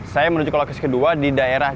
saya menuju ke lokasi kedua di daerah